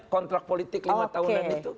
kontrak politik lima tahunan itu